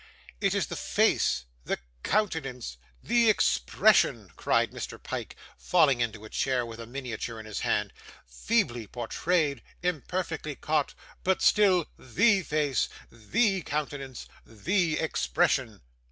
'It is the face, the countenance, the expression,' cried Mr. Pyke, falling into his chair with a miniature in his hand; 'feebly portrayed, imperfectly caught, but still THE face, THE countenance, THE expression.